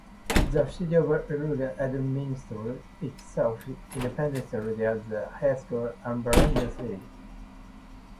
The city of Iligan administers itself independently as a highly urbanized city.